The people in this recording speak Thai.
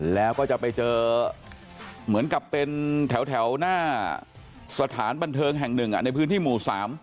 แล้วก็จะไปเจอเหมือนกับเป็นแถวหน้าสถานบันเทิงแห่งหนึ่งในพื้นที่หมู่๓